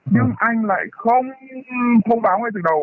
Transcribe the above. nhưng anh lại không thông báo ngay từ đầu